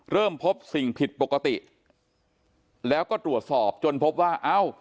เริ่มพบสิ่งผิดปกติแล้วก็ตรวจสอบจนพบว่าเอ้า